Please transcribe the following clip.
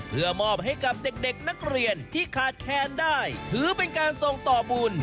เพื่อมอบให้กับเด็กนักเรียนที่ขาดแคลนได้ถือเป็นการส่งต่อบุญ